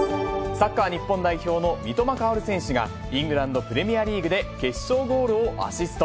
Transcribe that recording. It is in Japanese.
サッカー日本代表の三笘薫選手が、イングランドプレミアリーグで決勝ゴールをアシスト。